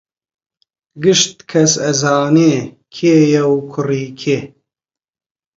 گشت کەس ئەزانێ کێیە و کوڕی کێ